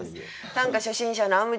短歌初心者のあむ